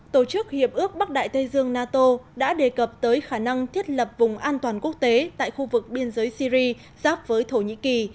tổ chức hiệp ước bắc đại tây dương nato đã đề cập tới khả năng thiết lập vùng an toàn quốc tế tại khu vực biên giới syri giáp với thổ nhĩ kỳ